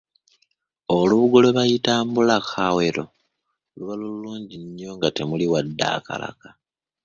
Olubugo lwe bayita Mbulaakawero luba lulungi nnyo nga temuli wadde akalaka.